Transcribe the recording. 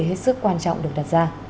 hết sức quan trọng được đặt ra